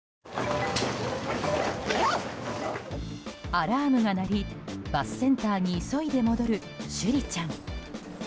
アラームが鳴りバスセンターに急いで戻る珠里ちゃん。